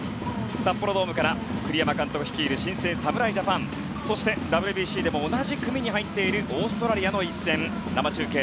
札幌ドームから栗山監督率いる新生・侍ジャパンそして、ＷＢＣでも同じ組に入っているオーストラリアの一戦。